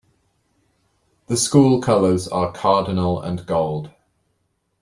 The school colors are cardinal and gold.